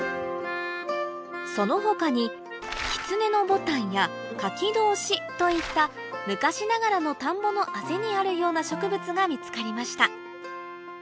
その他にキツネノボタンやカキドオシといった昔ながらの田んぼの畔にあるような植物が見つかりました